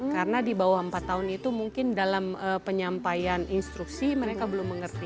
karena di bawah empat tahun itu mungkin dalam penyampaian instruksi mereka belum mengerti